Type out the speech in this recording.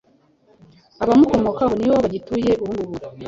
abamukomokaho niho bagituye ubungubu.